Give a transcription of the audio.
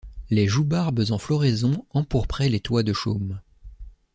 Les joubarbes en floraison empourpraient les toits de chaume.